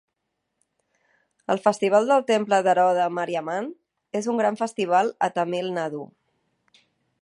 El festival del temple d'Erode Mariamman és un gran festival a Tamil Nadu.